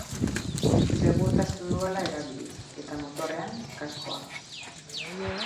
Segurtasun uhala erabili, eta motorrean, kaskoa.